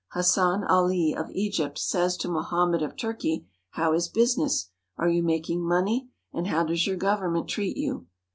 Hassan Ali of Egypt says to Mohammed of Turkey, "How is business? Are you making money, and how does your government treat you?"